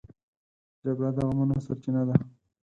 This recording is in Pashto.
جګړه د غمونو سرچینه ده